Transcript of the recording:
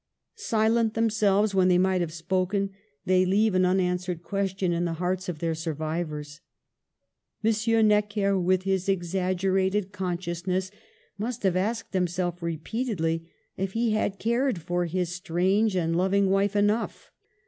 Silent themselves when they might have spoken, they leave an unanswered question in the hearts of their survivors. Monsieur Necker, with his exaggerated consciousness, must have asked him self repeatedly if he had cared for his strange and loving wife enough.